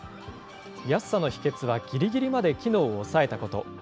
安さの秘けつはぎりぎりまで機能を抑えたこと。